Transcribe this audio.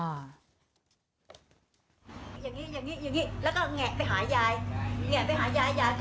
อย่างนี้อย่างงี้อย่างงี้แล้วก็แงะไปหายายแงะไปหายายยายก็